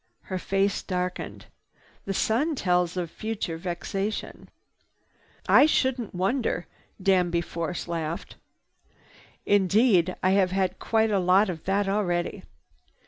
Her face darkened. "The Sun tells of future vexation." "I shouldn't wonder." Danby Force laughed. "Indeed I have had quite a lot of that already.